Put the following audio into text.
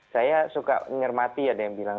saya suka nyermati ada yang bilang